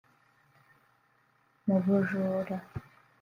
mu bujura